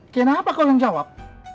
kenapa kau langsung jawab